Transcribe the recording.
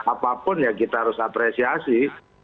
apapun ya kita harus apresiasi